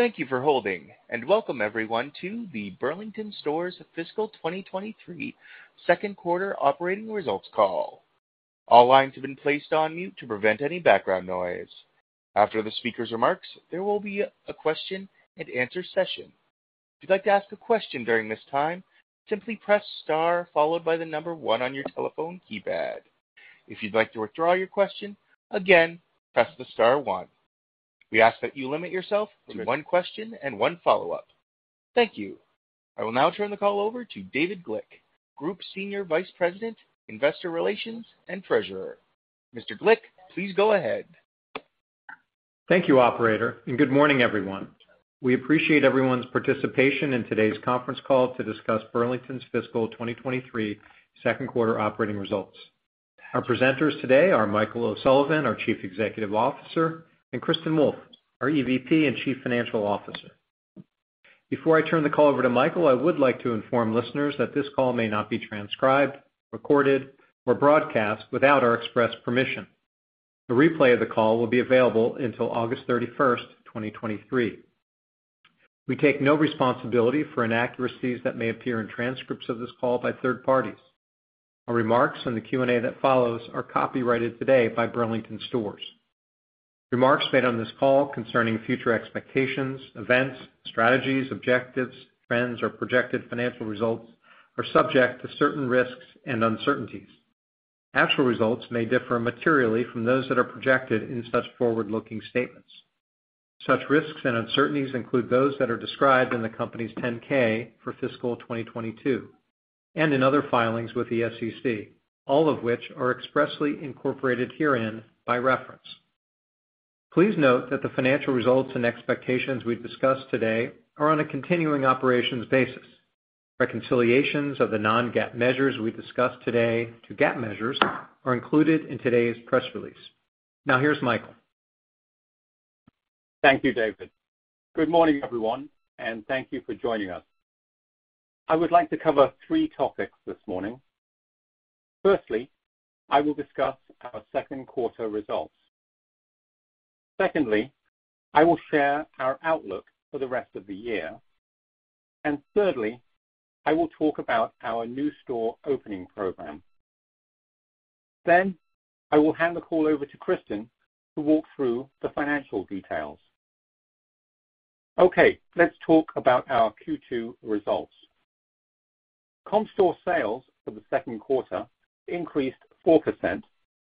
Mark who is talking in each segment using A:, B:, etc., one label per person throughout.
A: Thank you for holding, and welcome everyone to the Burlington Stores Fiscal 2023 second quarter operating results call. All lines have been placed on mute to prevent any background noise. After the speaker's remarks, there will be a question and answer session. If you'd like to ask a question during this time, simply press star followed by the number 1 on your telephone keypad. If you'd like to withdraw your question again, press the star one. We ask that you limit yourself to one question and one follow-up. Thank you. I will now turn the call over to David Glick, Group Senior Vice President, Investor Relations, and Treasurer. Mr. Glick, please go ahead.
B: Thank you, operator, and good morning, everyone. We appreciate everyone's participation in today's conference call to discuss Burlington's fiscal 2023 second quarter operating results. Our presenters today are Michael O'Sullivan, our Chief Executive Officer, and Kristin Wolfe, our EVP and Chief Financial Officer. Before I turn the call over to Michael, I would like to inform listeners that this call may not be transcribed, recorded, or broadcast without our express permission. A replay of the call will be available until August 31, 2023. We take no responsibility for inaccuracies that may appear in transcripts of this call by third parties. Our remarks in the Q&A that follows are copyrighted today by Burlington Stores. Remarks made on this call concerning future expectations, events, strategies, objectives, trends, or projected financial results are subject to certain risks and uncertainties. Actual results may differ materially from those that are projected in such forward-looking statements. Such risks and uncertainties include those that are described in the company's 10-K for fiscal 2022 and in other filings with the SEC, all of which are expressly incorporated herein by reference. Please note that the financial results and expectations we've discussed today are on a continuing operations basis. Reconciliations of the non-GAAP measures we discussed today to GAAP measures are included in today's press release. Now, here's Michael.
C: Thank you, David. Good morning, everyone, and thank you for joining us. I would like to cover three topics this morning. Firstly, I will discuss our second quarter results. Secondly, I will share our outlook for the rest of the year. And thirdly, I will talk about our new store opening program. Then I will hand the call over to Kristin to walk through the financial details. Okay, let's talk about our Q2 results. Comp store sales for the second quarter increased 4%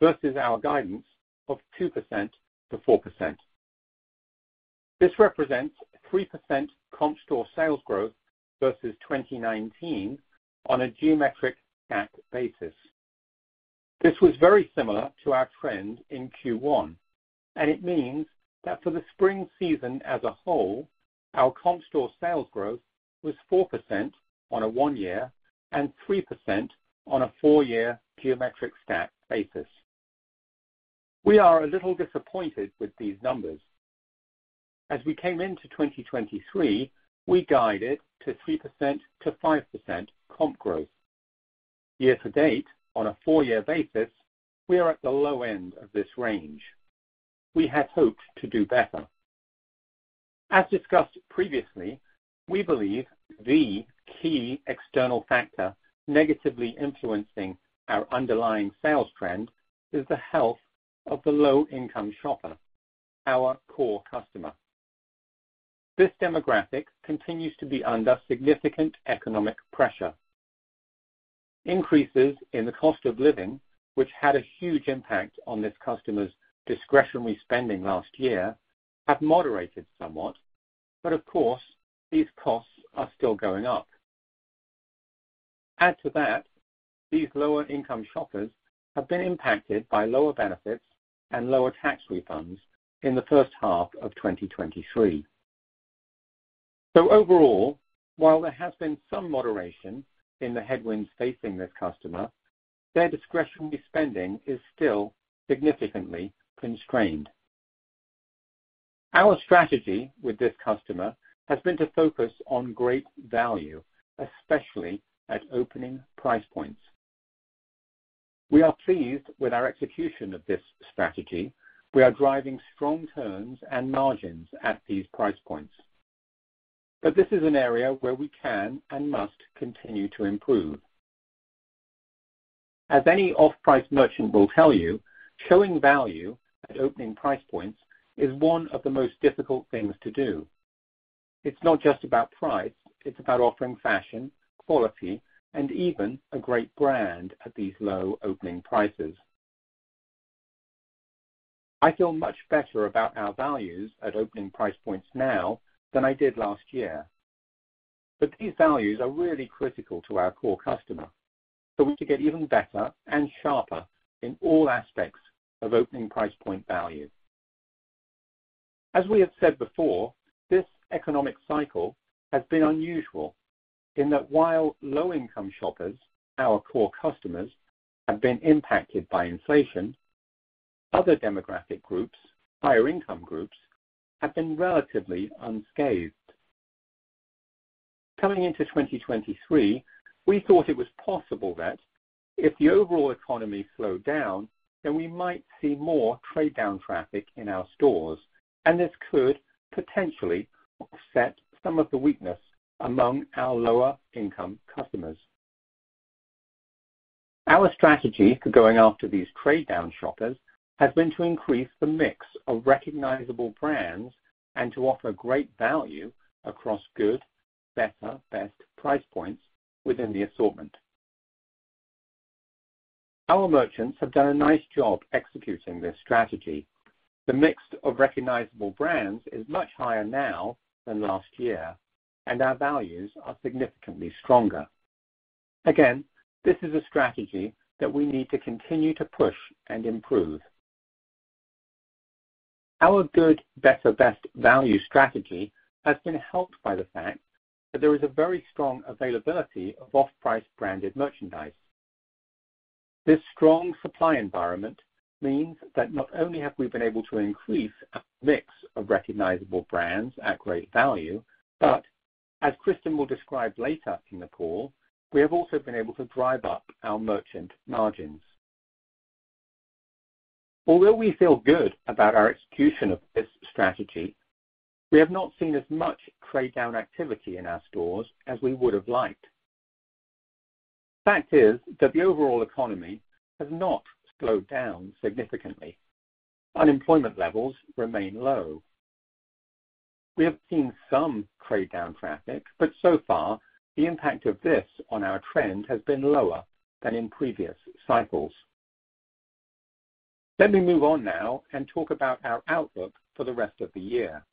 C: versus our guidance of 2%-4%. This represents 3% comp store sales growth versus 2019 on a geometric stack basis. This was very similar to our trend in Q1, and it means that for the spring season as a whole, our comp store sales growth was 4% on a one-year and 3% on a four-year geometric stack basis. We are a little disappointed with these numbers. As we came into 2023, we guided to 3%-5% comp growth. Year to date, on a four-year basis, we are at the low end of this range. We had hoped to do better. As discussed previously, we believe the key external factor negatively influencing our underlying sales trend is the health of the low-income shopper, our core customer. This demographic continues to be under significant economic pressure. Increases in the cost of living, which had a huge impact on this customer's discretionary spending last year, have moderated somewhat, but of course, these costs are still going up. Add to that, these lower-income shoppers have been impacted by lower benefits and lower tax refunds in the first half of 2023. Overall, while there has been some moderation in the headwinds facing this customer, their discretionary spending is still significantly constrained. Our strategy with this customer has been to focus on great value, especially at opening price points. We are pleased with our execution of this strategy. We are driving strong turns and margins at these price points, but this is an area where we can and must continue to improve. As any off-price merchant will tell you, showing value at opening price points is one of the most difficult things to do. It's not just about price, it's about offering fashion, quality, and even a great brand at these low opening prices. I feel much better about our values at opening price points now than I did last year, but these values are really critical to our core customer, so we need to get even better and sharper in all aspects of opening price point value. As we have said before, this economic cycle has been unusual in that while low-income shoppers, our core customers, have been impacted by inflation, other demographic groups, higher income groups, have been relatively unscathed.... Coming into 2023, we thought it was possible that if the overall economy slowed down, then we might see more trade-down traffic in our stores, and this could potentially offset some of the weakness among our lower-income customers. Our strategy for going after these trade-down shoppers has been to increase the mix of recognizable brands and to offer great value across good, better, best price points within the assortment. Our merchants have done a nice job executing this strategy. The mix of recognizable brands is much higher now than last year, and our values are significantly stronger. Again, this is a strategy that we need to continue to push and improve. Our good, better, best value strategy has been helped by the fact that there is a very strong availability of off-price branded merchandise. This strong supply environment means that not only have we been able to increase a mix of recognizable brands at great value, but as Kristin will describe later in the call, we have also been able to drive up our merchant margins. Although we feel good about our execution of this strategy, we have not seen as much trade-down activity in our stores as we would have liked. The fact is that the overall economy has not slowed down significantly. Unemployment levels remain low. We have seen some trade-down traffic, but so far, the impact of this on our trend has been lower than in previous cycles. Let me move on now and talk about our outlook for the rest of the year.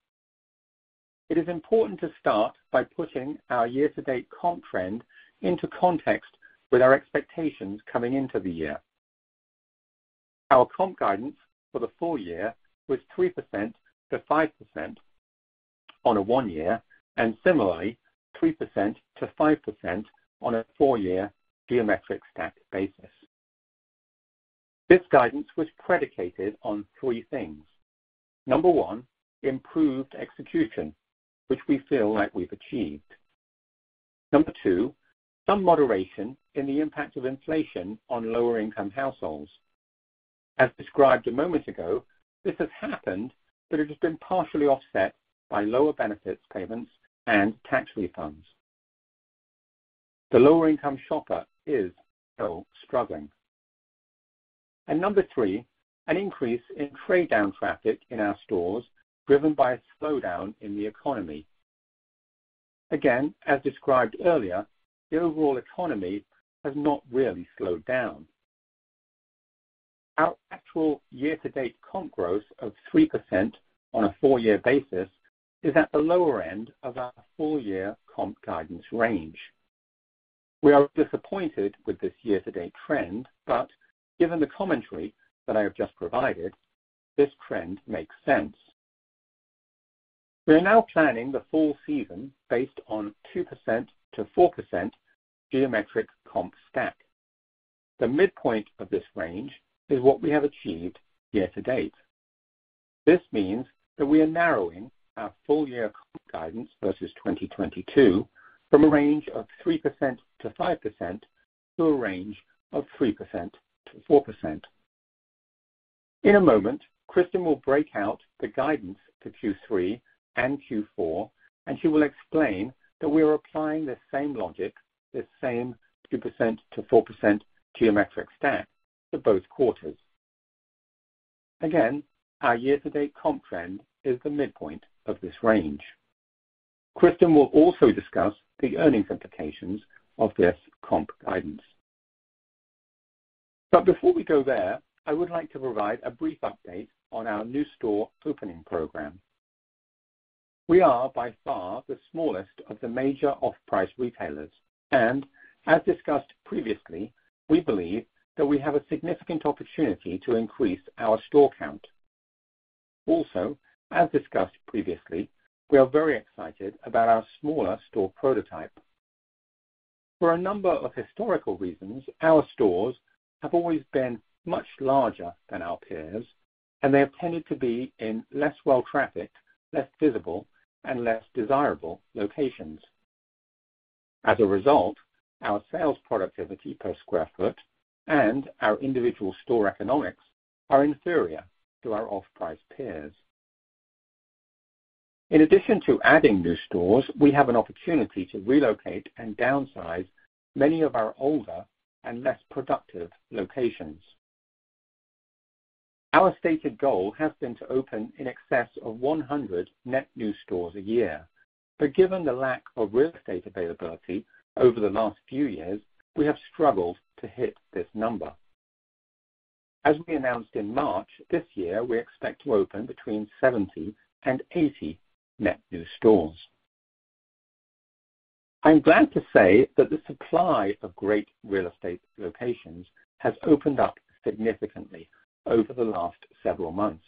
C: It is important to start by putting our year-to-date comp trend into context with our expectations coming into the year. Our comp guidance for the full year was 3%-5% on a one-year, and similarly, 3%-5% on a four-year geometric stack basis. This guidance was predicated on three things. Number one, improved execution, which we feel like we've achieved. Number two, some moderation in the impact of inflation on lower-income households. As described a moment ago, this has happened, but it has been partially offset by lower benefits, payments, and tax refunds. The lower-income shopper is still struggling. Number three, an increase in trade-down traffic in our stores, driven by a slowdown in the economy. Again, as described earlier, the overall economy has not really slowed down. Our actual year-to-date comp growth of 3% on a four-year basis is at the lower end of our full-year comp guidance range. We are disappointed with this year-to-date trend, but given the commentary that I have just provided, this trend makes sense. We are now planning the full season based on 2%-4% geometric comp stack. The midpoint of this range is what we have achieved year to date. This means that we are narrowing our full-year comp guidance versus 2022, from a range of 3%-5% to a range of 3%-4%. In a moment, Kristin will break out the guidance to Q3 and Q4, and she will explain that we are applying the same logic, the same 2%-4% geometric stack to both quarters. Again, our year-to-date comp trend is the midpoint of this range. Kristin will also discuss the earnings implications of this comp guidance. But before we go there, I would like to provide a brief update on our new store opening program. We are by far the smallest of the major off-price retailers, and as discussed previously, we believe that we have a significant opportunity to increase our store count. Also, as discussed previously, we are very excited about our smaller store prototype. For a number of historical reasons, our stores have always been much larger than our peers, and they have tended to be in less well trafficked, less visible, and less desirable locations. As a result, our sales productivity per sq ft and our individual store economics are inferior to our off-price peers. In addition to adding new stores, we have an opportunity to relocate and downsize many of our older and less productive locations. Our stated goal has been to open in excess of 100 net new stores a year, but given the lack of real estate availability over the last few years, we have struggled to hit this number. As we announced in March, this year, we expect to open between 70 and 80 net new stores. I'm glad to say that the supply of great real estate locations has opened up significantly over the last several months,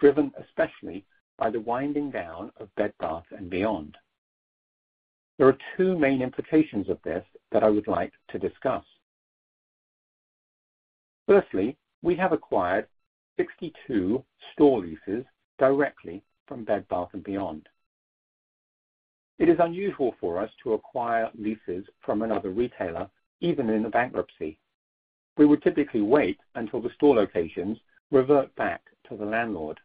C: driven especially by the winding down of Bed Bath & Beyond. There are two main implications of this that I would like to discuss. Firstly, we have acquired 62 store leases directly from Bed Bath & Beyond. It is unusual for us to acquire leases from another retailer, even in a bankruptcy. We would typically wait until the store locations revert back to the landlord.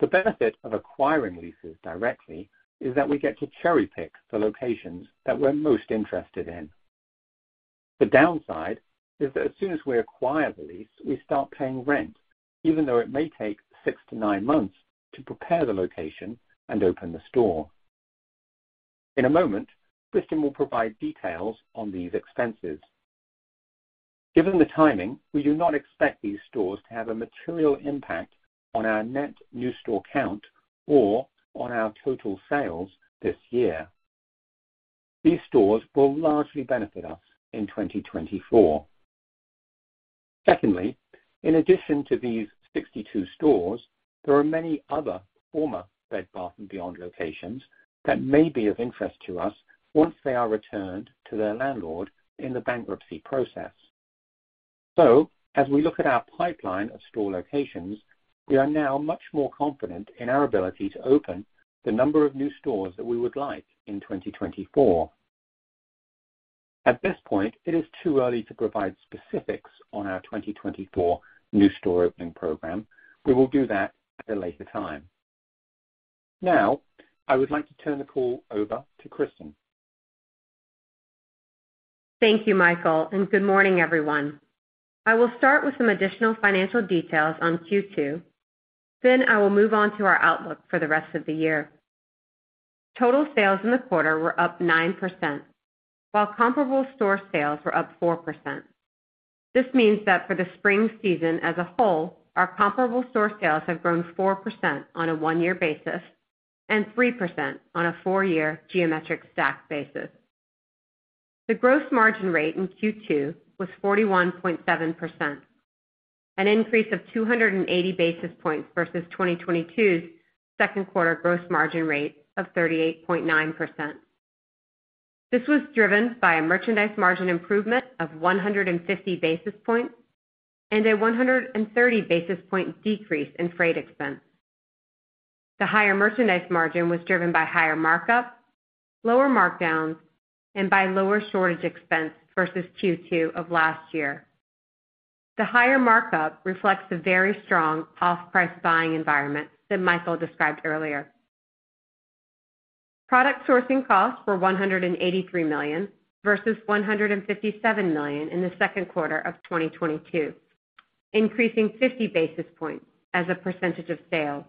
C: The benefit of acquiring leases directly is that we get to cherry-pick the locations that we're most interested in. The downside is that as soon as we acquire the lease, we start paying rent, even though it may take six to nine months to prepare the location and open the store. In a moment, Kristin will provide details on these expenses. Given the timing, we do not expect these stores to have a material impact on our net new store count or on our total sales this year. These stores will largely benefit us in 2024. Secondly, in addition to these 62 stores, there are many other former Bed Bath & Beyond locations that may be of interest to us once they are returned to their landlord in the bankruptcy process. So as we look at our pipeline of store locations, we are now much more confident in our ability to open the number of new stores that we would like in 2024. At this point, it is too early to provide specifics on our 2024 new store opening program. We will do that at a later time. Now, I would like to turn the call over to Kristin.
D: Thank you, Michael, and good morning, everyone. I will start with some additional financial details on Q2, then I will move on to our outlook for the rest of the year. Total sales in the quarter were up 9%, while comparable store sales were up 4%. This means that for the spring season as a whole, our comparable store sales have grown 4% on a one-year basis and 3% on a four-year geometric stack basis. The gross margin rate in Q2 was 41.7%, an increase of 280 basis points versus 2022's second quarter gross margin rate of 38.9%. This was driven by a merchandise margin improvement of 150 basis points and a 130 basis point decrease in freight expense. The higher merchandise margin was driven by higher markup, lower markdowns, and by lower shortage expense versus Q2 of last year. The higher markup reflects the very strong off-price buying environment that Michael described earlier. Product sourcing costs were $183 million versus $157 million in the second quarter of 2022, increasing 50 basis points as a percentage of sales.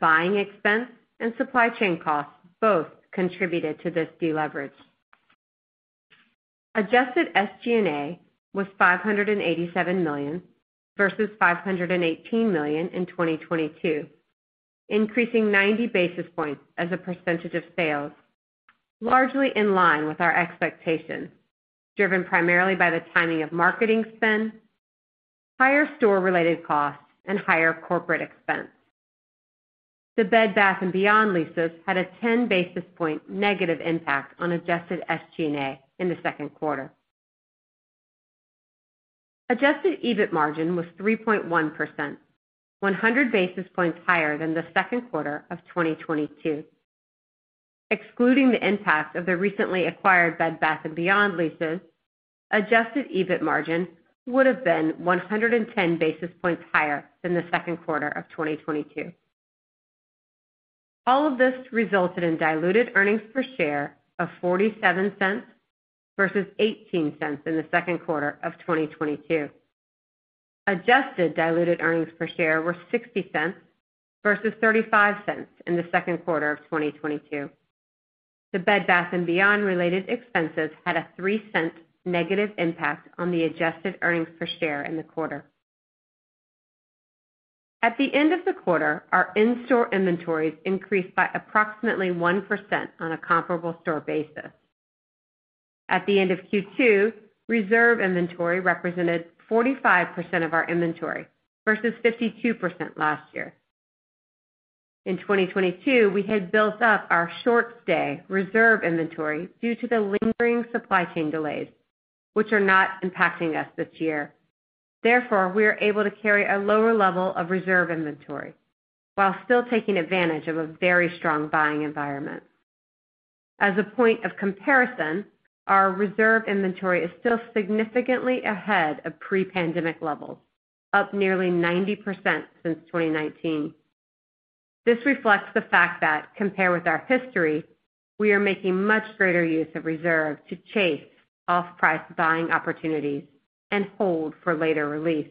D: Buying expense and supply chain costs both contributed to this deleverage. Adjusted SG&A was $587 million versus $518 million in 2022, increasing 90 basis points as a percentage of sales, largely in line with our expectations, driven primarily by the timing of marketing spend, higher store-related costs, and higher corporate expense. The Bed Bath & Beyond leases had a 10 basis point negative impact on adjusted SG&A in the second quarter. Adjusted EBIT Margin was 3.1%, 100 basis points higher than the second quarter of 2022. Excluding the impact of the recently acquired Bed Bath & Beyond leases, Adjusted EBIT Margin would have been 110 basis points higher than the second quarter of 2022. All of this resulted in diluted earnings per share of $0.47 versus $0.18 in the second quarter of 2022. Adjusted diluted earnings per share were $0.60 versus $0.35 in the second quarter of 2022. The Bed Bath & Beyond related expenses had a $0.03 negative impact on the adjusted earnings per share in the quarter. At the end of the quarter, our in-store inventories increased by approximately 1% on a comparable store basis. At the end of Q2, Reserve Inventory represented 45% of our inventory, versus 52% last year. In 2022, we had built up our short stay Reserve Inventory due to the lingering supply chain delays, which are not impacting us this year. Therefore, we are able to carry a lower level of Reserve Inventory while still taking advantage of a very strong buying environment. As a point of comparison, our Reserve Inventory is still significantly ahead of pre-pandemic levels, up nearly 90% since 2019. This reflects the fact that, compared with our history, we are making much greater use of Reserve Inventory to chase off-price buying opportunities and hold for later release.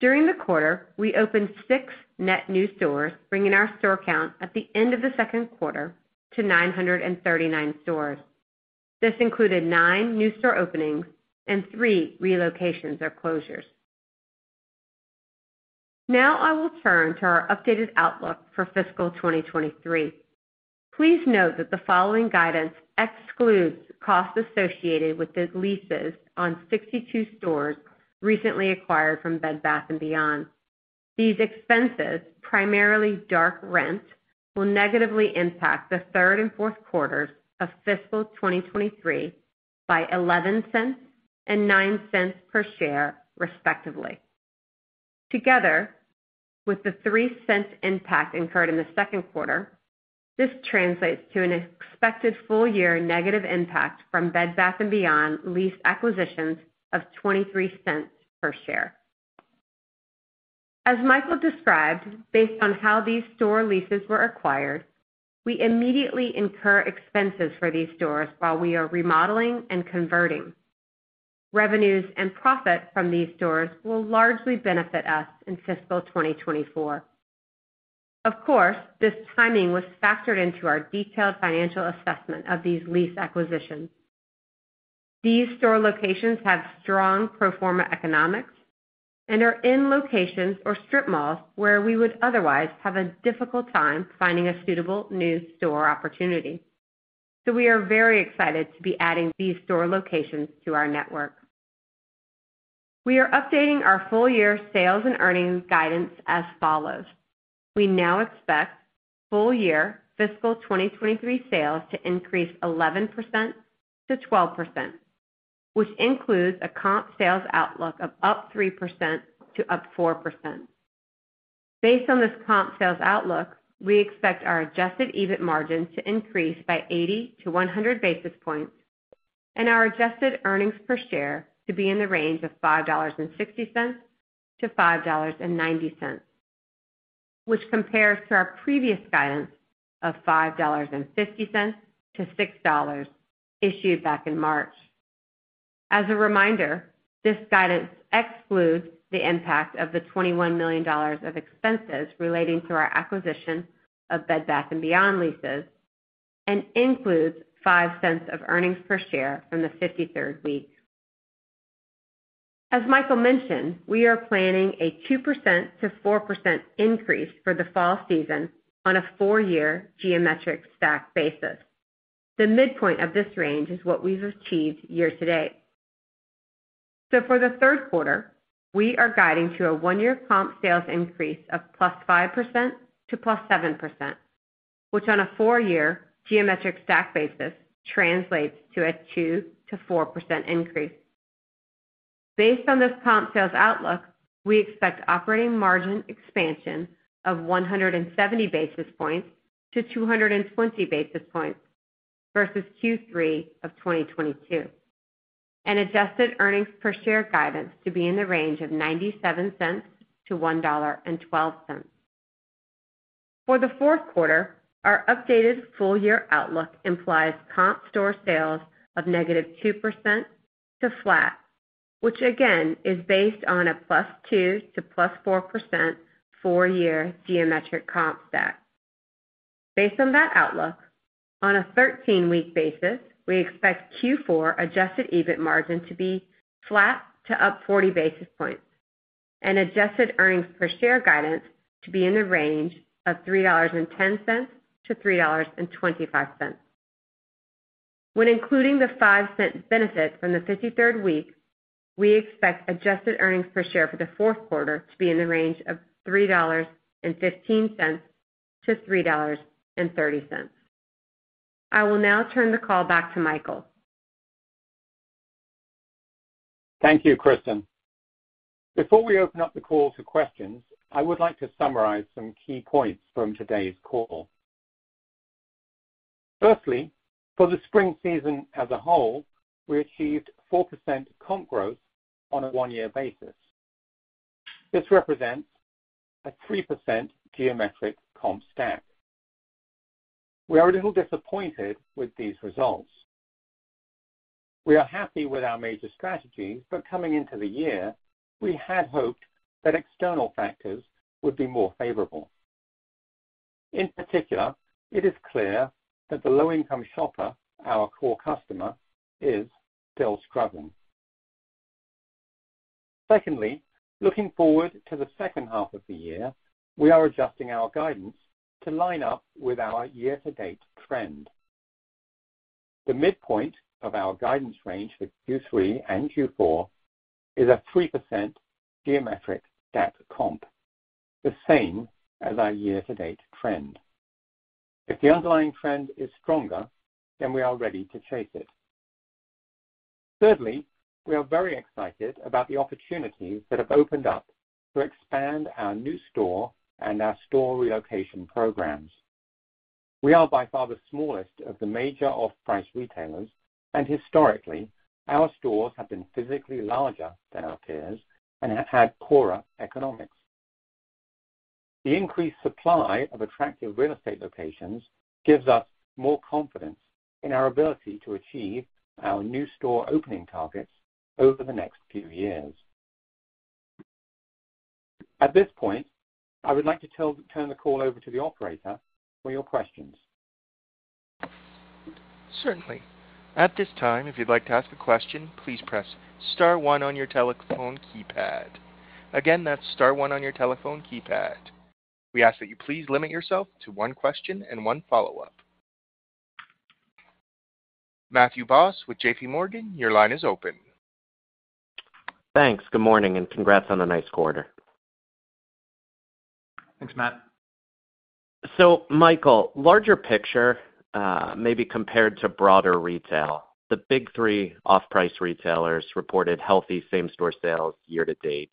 D: During the quarter, we opened 6 net new stores, bringing our store count at the end of the second quarter to 939 stores. This included 9 new store openings and three relocations or closures. Now, I will turn to our updated outlook for fiscal 2023. Please note that the following guidance excludes costs associated with the leases on 62 stores recently acquired from Bed Bath & Beyond. These expenses, primarily dark rent, will negatively impact the third and fourth quarters of fiscal 2023 by $0.11 and $0.09 per share, respectively. Together with the $0.03 impact incurred in the second quarter, this translates to an expected full year negative impact from Bed Bath & Beyond lease acquisitions of $0.23 per share. As Michael described, based on how these store leases were acquired, we immediately incur expenses for these stores while we are remodeling and converting. Revenues and profit from these stores will largely benefit us in fiscal 2024. Of course, this timing was factored into our detailed financial assessment of these lease acquisitions. These store locations have strong pro forma economics and are in locations or strip malls where we would otherwise have a difficult time finding a suitable new store opportunity. We are very excited to be adding these store locations to our network. We are updating our full year sales and earnings guidance as follows: We now expect full year fiscal 2023 sales to increase 11%-12%, which includes a comp sales outlook of up 3%-4%. Based on this comp sales outlook, we expect our adjusted EBIT margin to increase by 80-100 basis points, and our adjusted earnings per share to be in the range of $5.60-$5.90, which compares to our previous guidance of $5.50-$6.00, issued back in March. As a reminder, this guidance excludes the impact of the $21 million of expenses relating to our acquisition of Bed Bath & Beyond leases and includes $0.05 of earnings per share from the 53rd week. As Michael mentioned, we are planning a 2%-4% increase for the fall season on a four-year geometric stack basis. The midpoint of this range is what we've achieved year to date. For the third quarter, we are guiding to a one-year comp sales increase of +5% to +7%, which on a four-year geometric stack basis translates to a 2%-4% increase. Based on this comp sales outlook, we expect operating margin expansion of 170 basis points to 220 basis points versus Q3 of 2022, and adjusted earnings per share guidance to be in the range of $0.97-$1.12. For the fourth quarter, our updated full year outlook implies comp store sales of -2% to flat, which again, is based on a +2% to +4% four-year geometric comp stack. Based on that outlook, on a 13-week basis, we expect Q4 adjusted EBIT margin to be flat to up 40 basis points, and adjusted earnings per share guidance to be in the range of $3.10-$3.25. When including the 5-cent benefit from the 53rd week, we expect adjusted earnings per share for the fourth quarter to be in the range of $3.15-$3.30. I will now turn the call back to Michael.
C: Thank you, Kristin. Before we open up the call to questions, I would like to summarize some key points from today's call. Firstly, for the spring season as a whole, we achieved 4% comp growth on a one-year basis. This represents a 3% geometric comp stack. We are a little disappointed with these results. We are happy with our major strategies, but coming into the year, we had hoped that external factors would be more favorable. In particular, it is clear that the low-income shopper, our core customer, is still struggling. Secondly, looking forward to the second half of the year, we are adjusting our guidance to line up with our year-to-date trend. The midpoint of our guidance range for Q3 and Q4 is a 3% geometric stack comp, the same as our year-to-date trend. If the underlying trend is stronger, then we are ready to chase it. Thirdly, we are very excited about the opportunities that have opened up to expand our new store and our store relocation programs. We are by far the smallest of the major off-price retailers, and historically, our stores have been physically larger than our peers and have had poorer economics. The increased supply of attractive real estate locations gives us more confidence in our ability to achieve our new store opening targets over the next few years. At this point, I would like to turn the call over to the operator for your questions.
A: Certainly. At this time, if you'd like to ask a question, please press star one on your telephone keypad. Again, that's star one on your telephone keypad. We ask that you please limit yourself to one question and one follow-up... Matthew Boss with JPMorgan, your line is open.
E: Thanks. Good morning, and congrats on a nice quarter.
C: Thanks, Matt.
E: So, Michael, larger picture, maybe compared to broader retail, the big three off-price retailers reported healthy same-store sales year to date.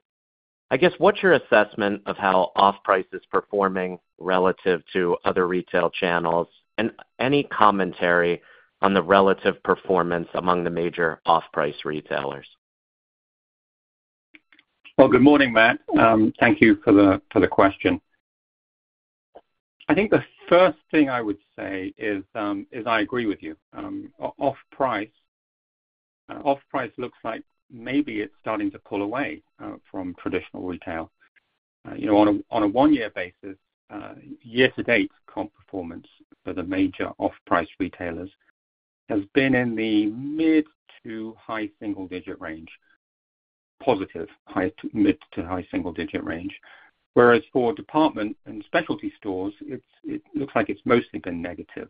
E: I guess, what's your assessment of how off-price is performing relative to other retail channels? And any commentary on the relative performance among the major off-price retailers?
C: Well, good morning, Matt. Thank you for the question. I think the first thing I would say is I agree with you. Off-price looks like maybe it's starting to pull away from traditional retail. You know, on a one-year basis, year to date, comp performance for the major off-price retailers has been in the mid- to high-single-digit range, positive high- to mid- to high-single-digit range. Whereas for department and specialty stores, it looks like it's mostly been negative.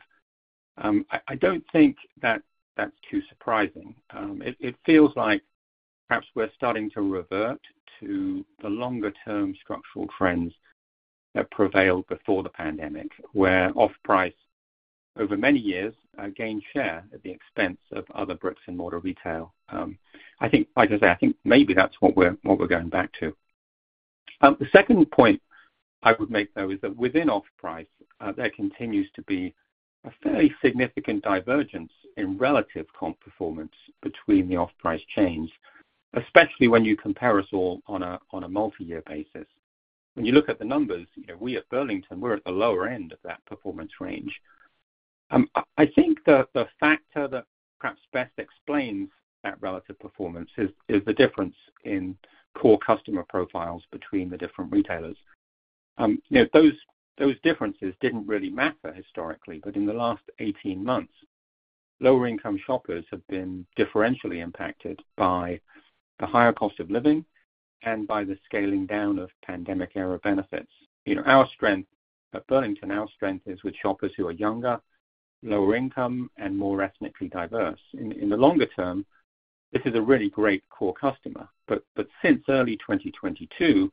C: I don't think that that's too surprising. It feels like perhaps we're starting to revert to the longer-term structural trends that prevailed before the pandemic, where off-price, over many years, gained share at the expense of other bricks-and-mortar retail. I think, like I say, I think maybe that's what we're going back to. The second point I would make, though, is that within off-price, there continues to be a fairly significant divergence in relative comp performance between the off-price chains, especially when you compare us all on a multi-year basis. When you look at the numbers, you know, we at Burlington, we're at the lower end of that performance range. I think that the factor that perhaps best explains that relative performance is the difference in core customer profiles between the different retailers. You know, those differences didn't really matter historically, but in the last 18 months, lower income shoppers have been differentially impacted by the higher cost of living and by the scaling down of pandemic era benefits. You know, our strength at Burlington, our strength is with shoppers who are younger, lower income, and more ethnically diverse. In the longer term, this is a really great core customer. But since early 2022,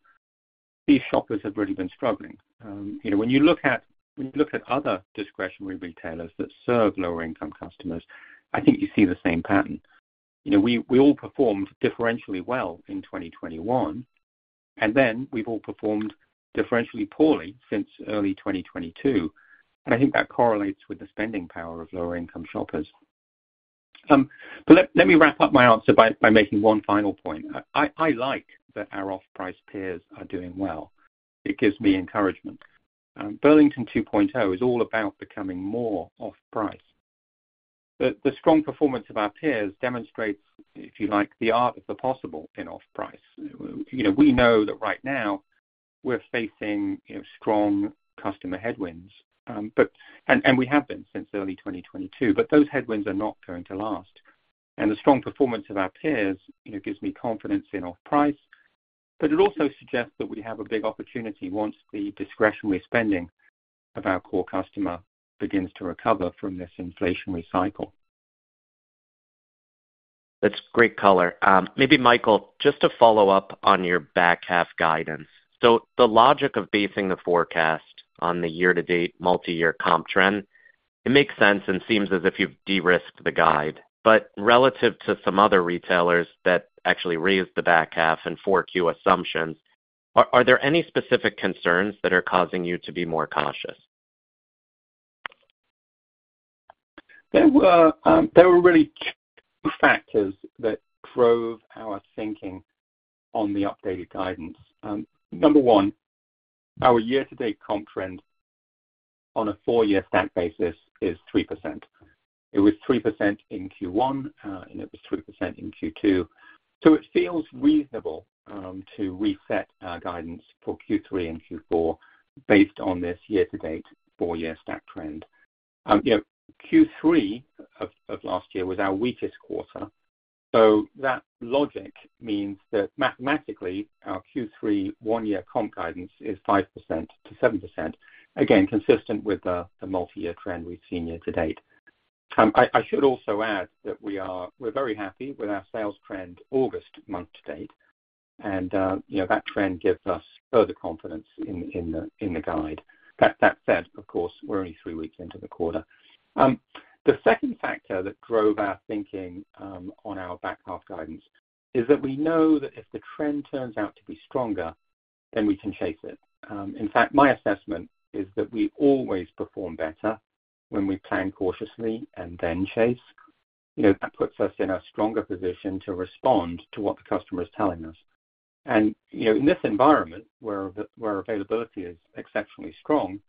C: these shoppers have really been struggling. You know, when you look at other discretionary retailers that serve lower income customers, I think you see the same pattern. You know, we all performed differentially well in 2021, and then we've all performed differentially poorly since early 2022. And I think that correlates with the spending power of lower income shoppers. But let me wrap up my answer by making one final point. I like that our off-price peers are doing well. It gives me encouragement. Burlington 2.0 is all about becoming more off-price. The strong performance of our peers demonstrates, if you like, the art of the possible in off-price. You know, we know that right now we're facing, you know, strong customer headwinds, but and we have been since early 2022, but those headwinds are not going to last. And the strong performance of our peers, you know, gives me confidence in off-price, but it also suggests that we have a big opportunity once the discretionary spending of our core customer begins to recover from this inflationary cycle.
E: That's great color. Maybe, Michael, just to follow up on your back half guidance. So the logic of basing the forecast on the year to date, multi-year comp trend, it makes sense and seems as if you've de-risked the guide. But relative to some other retailers that actually raised the back half and four Q assumptions, are there any specific concerns that are causing you to be more cautious?
C: There were really two factors that drove our thinking on the updated guidance. Number one, our year-to-date comp trend on a four-year stack basis is 3%. It was 3% in Q1, and it was 3% in Q2. So it feels reasonable to reset our guidance for Q3 and Q4 based on this year-to-date, four-year stack trend. You know, Q3 of last year was our weakest quarter, so that logic means that mathematically, our Q3 one-year comp guidance is 5%-7%. Again, consistent with the multi-year trend we've seen year-to-date. I should also add that we are--we're very happy with our sales trend, August month-to-date, and you know, that trend gives us further confidence in the guide. That said, of course, we're only three weeks into the quarter. The second factor that drove our thinking on our back half guidance is that we know that if the trend turns out to be stronger, then we can chase it. In fact, my assessment is that we always perform better when we plan cautiously and then chase. You know, that puts us in a stronger position to respond to what the customer is telling us. And, you know, in this environment where availability is exceptionally strong,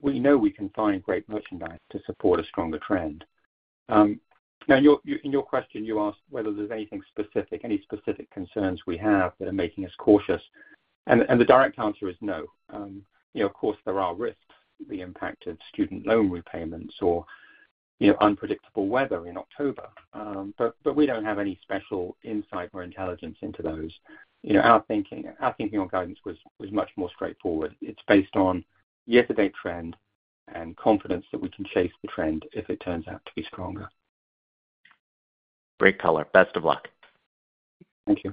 C: we know we can find great merchandise to support a stronger trend. Now, in your question, you asked whether there's anything specific, any specific concerns we have that are making us cautious, and the direct answer is no. You know, of course, there are risks, the impact of student loan repayments or, you know, unpredictable weather in October, but we don't have any special insight or intelligence into those. You know, our thinking on guidance was much more straightforward. It's based on year-to-date trend and confidence that we can chase the trend if it turns out to be stronger.... Great color. Best of luck.
A: Thank you.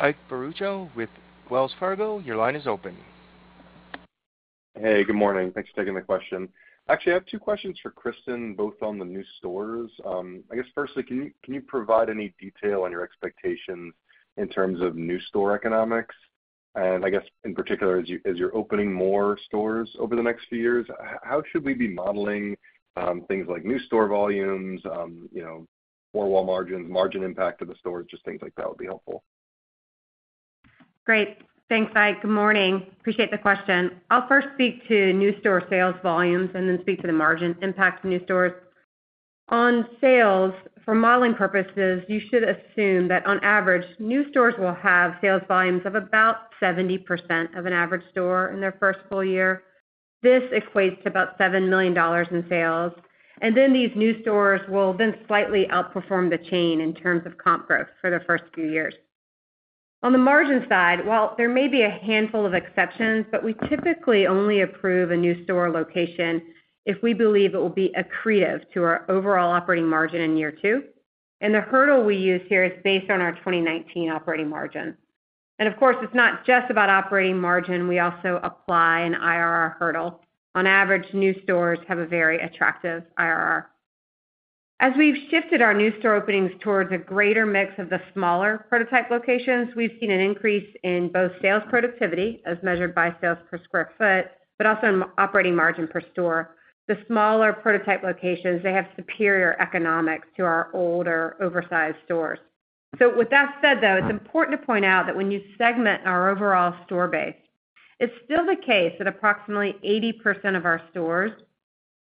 A: Ike Boruchow with Wells Fargo, your line is open.
F: Hey, good morning. Thanks for taking my question. Actually, I have two questions for Kristin, both on the new stores. I guess firstly, can you, can you provide any detail on your expectations in terms of new store economics? And I guess, in particular, as you, as you're opening more stores over the next few years, how should we be modeling things like new store volumes, you know, four wall margins, margin impact of the stores? Just things like that would be helpful.
D: Great. Thanks, Ike. Good morning. Appreciate the question. I'll first speak to new store sales volumes and then speak to the margin impact of new stores. On sales, for modeling purposes, you should assume that on average, new stores will have sales volumes of about 70% of an average store in their first full year. This equates to about $7 million in sales. And then these new stores will then slightly outperform the chain in terms of comp growth for the first few years. On the margin side, while there may be a handful of exceptions, but we typically only approve a new store location if we believe it will be accretive to our overall operating margin in year two. And the hurdle we use here is based on our 2019 operating margin. And of course, it's not just about operating margin. We also apply an IRR hurdle. On average, new stores have a very attractive IRR. As we've shifted our new store openings towards a greater mix of the smaller prototype locations, we've seen an increase in both sales productivity as measured by sales per square foot, but also in operating margin per store. The smaller prototype locations, they have superior economics to our older, oversized stores. So with that said, though, it's important to point out that when you segment our overall store base, it's still the case that approximately 80% of our stores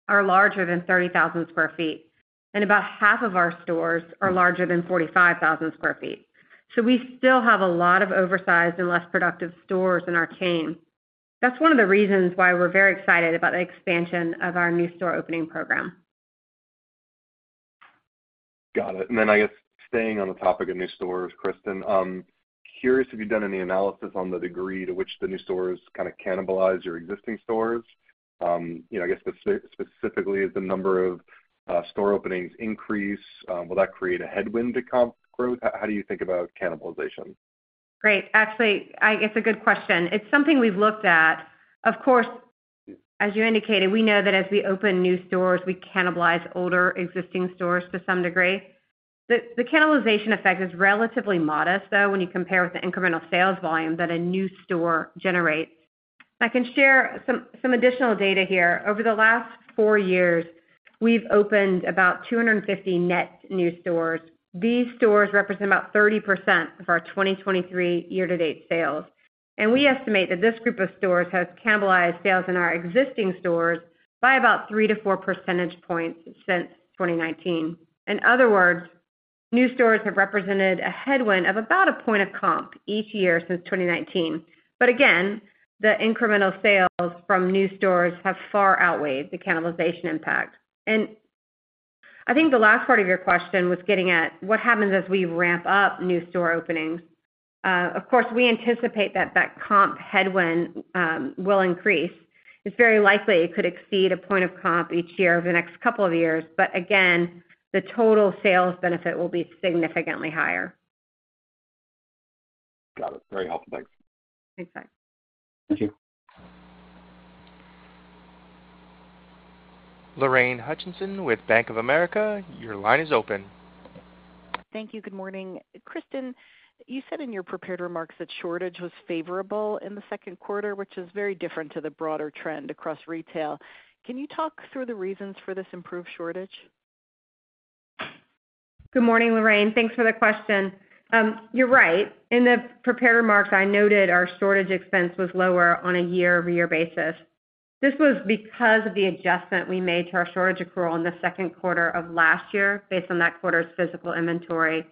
D: are larger than 30,000 sq ft, and about half of our stores are larger than 45,000 sq ft. So we still have a lot of oversized and less productive stores in our chain. That's one of the reasons why we're very excited about the expansion of our new store opening program.
F: Got it. And then, I guess, staying on the topic of new stores, Kristin, curious, have you done any analysis on the degree to which the new stores kinda cannibalize your existing stores? You know, I guess specifically, as the number of store openings increase, will that create a headwind to comp growth? How do you think about cannibalization?
D: Great. Actually, it's a good question. It's something we've looked at. Of course, as you indicated, we know that as we open new stores, we cannibalize older existing stores to some degree. The cannibalization effect is relatively modest, though, when you compare with the incremental sales volume that a new store generates. I can share some additional data here. Over the last four years, we've opened about 250 net new stores. These stores represent about 30% of our 2023 year-to-date sales. And we estimate that this group of stores has cannibalized sales in our existing stores by about 3-4 percentage points since 2019. In other words, new stores have represented a headwind of about a point of comp each year since 2019. But again, the incremental sales from new stores have far outweighed the cannibalization impact. I think the last part of your question was getting at what happens as we ramp up new store openings. Of course, we anticipate that that comp headwind will increase. It's very likely it could exceed a point of comp each year over the next couple of years, but again, the total sales benefit will be significantly higher.
F: Got it. Very helpful. Thanks.
D: Thanks, Ike.
F: Thank you.
A: Lorraine Hutchinson with Bank of America, your line is open.
G: Thank you. Good morning. Kristin, you said in your prepared remarks that shortage was favorable in the second quarter, which is very different to the broader trend across retail. Can you talk through the reasons for this improved shortage?
D: Good morning, Lorraine. Thanks for the question. You're right. In the prepared remarks, I noted our shortage expense was lower on a year-over-year basis. This was because of the adjustment we made to our shortage accrual in the second quarter of last year, based on that quarter's physical inventory.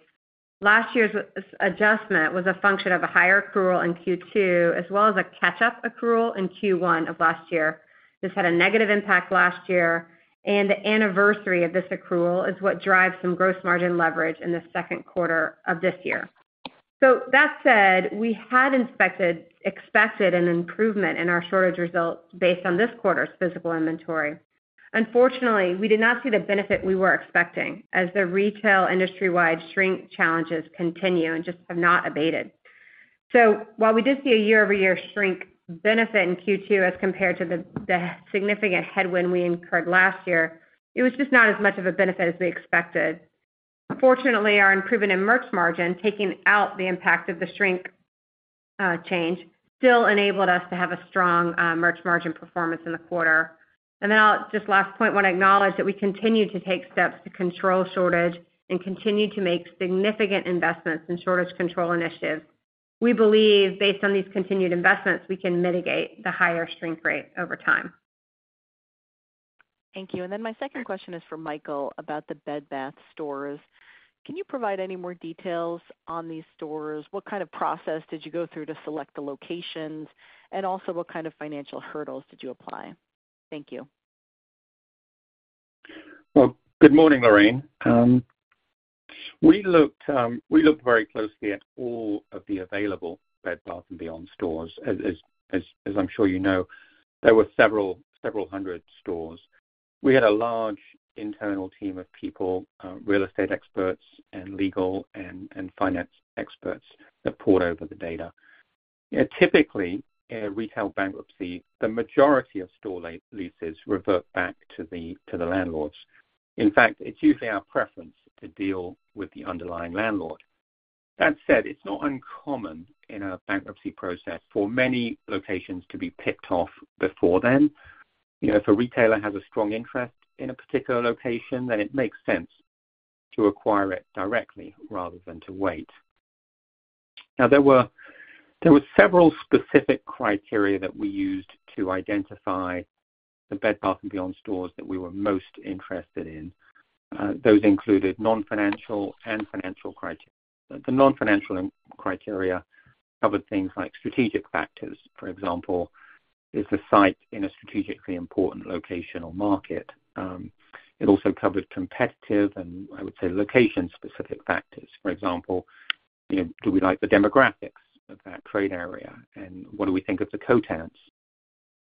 D: Last year's adjustment was a function of a higher accrual in Q2, as well as a catch-up accrual in Q1 of last year. This had a negative impact last year, and the anniversary of this accrual is what drives some gross margin leverage in the second quarter of this year. So that said, we had expected an improvement in our shortage results based on this quarter's physical inventory. Unfortunately, we did not see the benefit we were expecting, as the retail industry-wide shrink challenges continue and just have not abated. So while we did see a year-over-year shrink benefit in Q2 as compared to the significant headwind we incurred last year, it was just not as much of a benefit as we expected. Fortunately, our improvement in merch margin, taking out the impact of the shrink change, still enabled us to have a strong merch margin performance in the quarter. And then I'll just last point, want to acknowledge that we continue to take steps to control shortage and continue to make significant investments in shortage control initiatives. We believe, based on these continued investments, we can mitigate the higher shrink rate over time.
G: Thank you. My second question is for Michael about the Bed Bath stores. Can you provide any more details on these stores? What kind of process did you go through to select the locations? And also, what kind of financial hurdles did you apply? Thank you.
C: Well, good morning, Lorraine.... We looked very closely at all of the available Bed Bath & Beyond stores. As I'm sure you know, there were several hundred stores. We had a large internal team of people, real estate experts and legal and finance experts that pored over the data. Yeah, typically, in a retail bankruptcy, the majority of store leases revert back to the landlords. In fact, it's usually our preference to deal with the underlying landlord. That said, it's not uncommon in a bankruptcy process for many locations to be picked off before then. You know, if a retailer has a strong interest in a particular location, then it makes sense to acquire it directly rather than to wait. Now, there were several specific criteria that we used to identify the Bed Bath & Beyond stores that we were most interested in. Those included non-financial and financial criteria. The non-financial criteria covered things like strategic factors. For example, is the site in a strategically important location or market? It also covered competitive and, I would say, location-specific factors. For example, you know, do we like the demographics of that trade area, and what do we think of the co-tenants?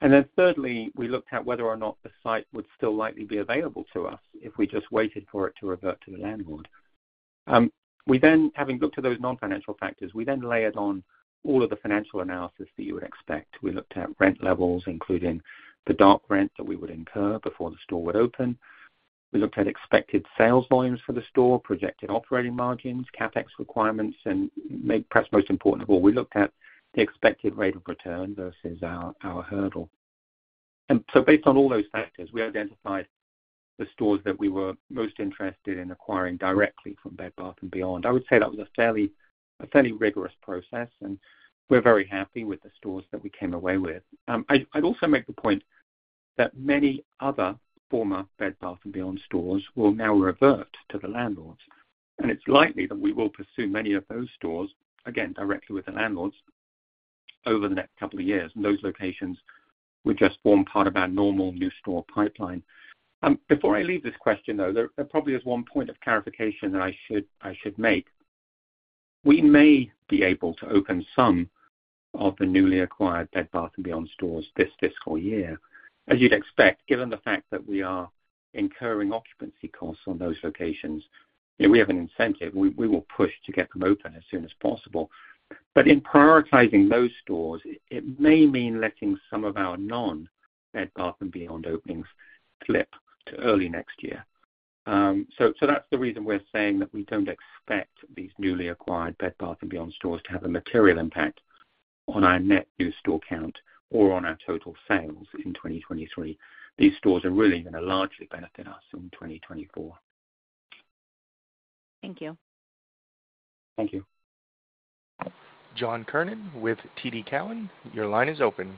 C: And then thirdly, we looked at whether or not the site would still likely be available to us if we just waited for it to revert to the landlord. We then, having looked at those non-financial factors, layered on all of the financial analysis that you would expect. We looked at rent levels, including the dark rent that we would incur before the store would open. We looked at expected sales volumes for the store, projected operating margins, CapEx requirements, and perhaps most important of all, we looked at the expected rate of return versus our hurdle. And so based on all those factors, we identified the stores that we were most interested in acquiring directly from Bed Bath & Beyond. I would say that was a fairly rigorous process, and we're very happy with the stores that we came away with. I'd also make the point that many other former Bed Bath & Beyond stores will now revert to the landlords, and it's likely that we will pursue many of those stores, again, directly with the landlords over the next couple of years. Those locations would just form part of our normal new store pipeline. Before I leave this question, though, there probably is one point of clarification that I should make. We may be able to open some of the newly acquired Bed Bath & Beyond stores this fiscal year. As you'd expect, given the fact that we are incurring occupancy costs on those locations, if we have an incentive, we will push to get them open as soon as possible. But in prioritizing those stores, it may mean letting some of our non-Bed Bath & Beyond openings slip to early next year. So that's the reason we're saying that we don't expect these newly acquired Bed Bath & Beyond stores to have a material impact on our net new store count or on our total sales in 2023. These stores are really gonna largely benefit us in 2024.
G: Thank you.
C: Thank you.
A: John Kernan with TD Cowen, your line is open.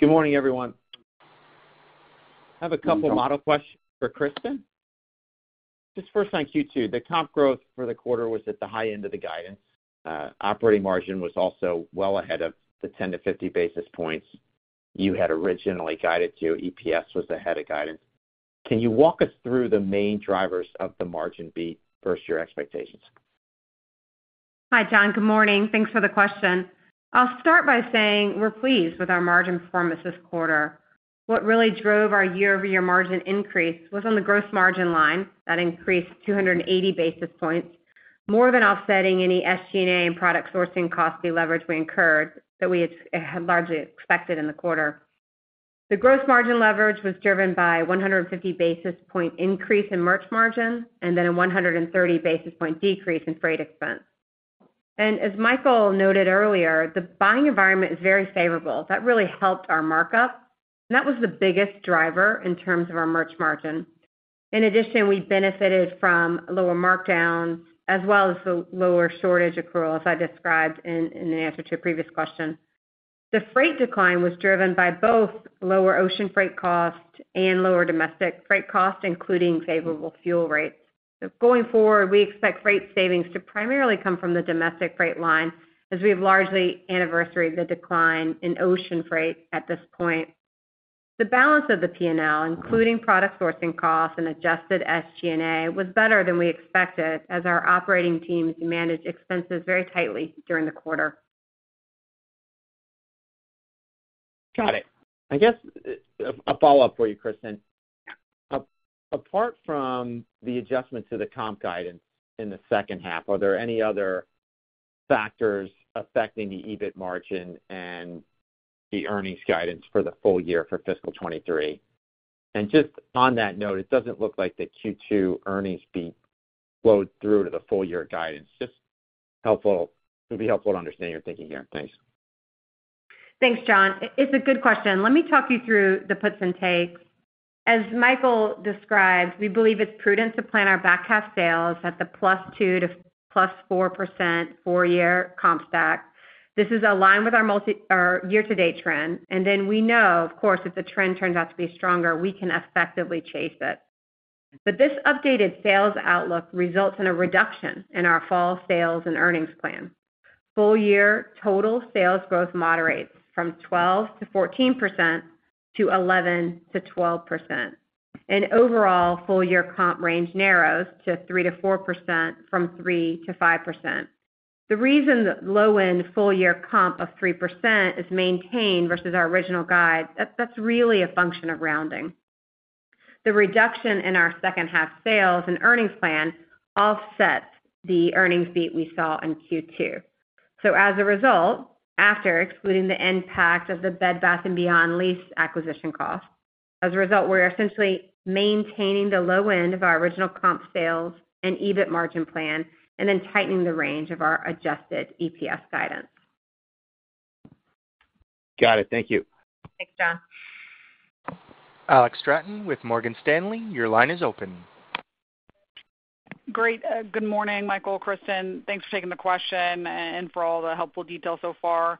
H: Good morning, everyone. I have a couple of model questions for Kristin. Just first, on Q2, the comp growth for the quarter was at the high end of the guidance. Operating margin was also well ahead of the 10-50 basis points you had originally guided to. EPS was ahead of guidance. Can you walk us through the main drivers of the margin beat versus your expectations?
D: Hi, John. Good morning. Thanks for the question. I'll start by saying we're pleased with our margin performance this quarter. What really drove our year-over-year margin increase was on the gross margin line. That increased 280 basis points, more than offsetting any SG&A and product sourcing costly leverage we incurred that we had largely expected in the quarter. The gross margin leverage was driven by 150 basis point increase in merch margin and then a 130 basis point decrease in freight expense. And as Michael noted earlier, the buying environment is very favorable. That really helped our markup, and that was the biggest driver in terms of our merch margin. In addition, we benefited from lower markdown as well as the lower shortage accrual, as I described in an answer to a previous question. The freight decline was driven by both lower ocean freight costs and lower domestic freight costs, including favorable fuel rates. So going forward, we expect freight savings to primarily come from the domestic freight line, as we have largely anniversaried the decline in ocean freight at this point. The balance of the P&L, including product sourcing costs and adjusted SG&A, was better than we expected, as our operating teams managed expenses very tightly during the quarter.
H: Got it. I guess a follow-up for you, Kristin. Apart from the adjustment to the comp guidance in the second half, are there any other factors affecting the EBIT margin and the earnings guidance for the full year for fiscal 2023? And just on that note, it doesn't look like the Q2 earnings beat flowed through to the full year guidance. Just helpful—it would be helpful to understand your thinking here. Thanks.
D: Thanks, John. It's a good question. Let me talk you through the puts and takes. As Michael described, we believe it's prudent to plan our back half sales at the +2% to +4% four-year comp stack. This is aligned with our multi-year or year-to-date trend, and then we know, of course, if the trend turns out to be stronger, we can effectively chase it. But this updated sales outlook results in a reduction in our fall sales and earnings plan. Full year total sales growth moderates from 12%-14% to 11%-12%. And overall, full year comp range narrows to 3%-4% from 3%-5%. The reason the low-end full year comp of 3% is maintained versus our original guide, that's really a function of rounding. The reduction in our second half sales and earnings plan offsets the earnings beat we saw in Q2. So as a result, after excluding the impact of the Bed Bath & Beyond lease acquisition cost, as a result, we're essentially maintaining the low end of our original comp sales and EBIT margin plan and then tightening the range of our adjusted EPS guidance.
I: Got it. Thank you.
D: Thanks, John.
A: Alex Straton with Morgan Stanley, your line is open.
J: Great. Good morning, Michael, Kristin. Thanks for taking the question and for all the helpful details so far.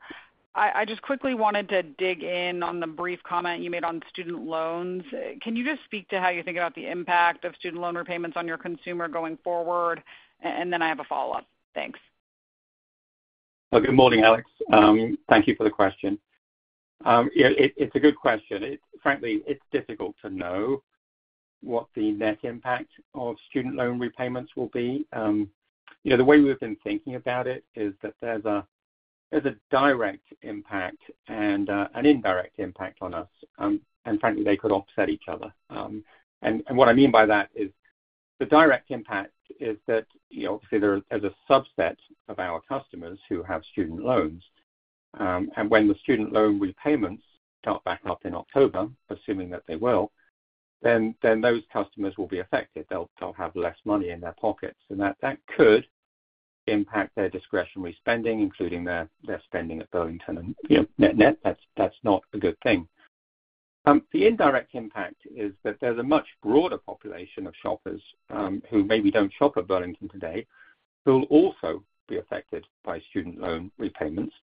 J: I just quickly wanted to dig in on the brief comment you made on student loans. Can you just speak to how you think about the impact of student loan repayments on your consumer going forward? And then I have a follow-up. Thanks.
C: Well, good morning, Alex. Thank you for the question. Yeah, it's a good question. It's frankly difficult to know what the net impact of student loan repayments will be. You know, the way we've been thinking about it is that there's a direct impact and an indirect impact on us, and frankly, they could offset each other. And what I mean by that is the direct impact is that, you know, obviously, there is a subset of our customers who have student loans. And when the student loan repayments start back up in October, assuming that they will, then those customers will be affected. They'll have less money in their pockets, and that could impact their discretionary spending, including their spending at Burlington. And, you know, net, that's not a good thing. The indirect impact is that there's a much broader population of shoppers, who maybe don't shop at Burlington today, who will also be affected by student loan repayments,